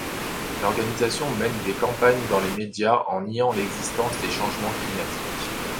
L'organisation mène des campagnes dans les médias en niant l'existence des changements climatiques.